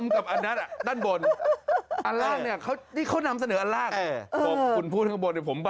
กลัวเหมือนกันค่ะ